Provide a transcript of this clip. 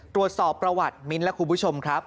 ตรวจสอบประวัติมิ้นท์และคุณผู้ชมครับ